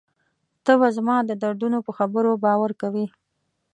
ته به زما د دردونو په خبرو باور کوې.